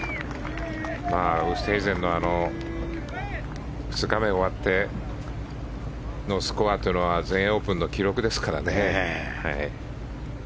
ウーストヘイゼンのあの２日目終わってあのスコアというのは全英オープンの記録ですからね。